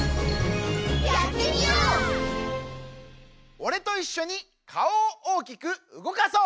おれといっしょにかおをおおきくうごかそう！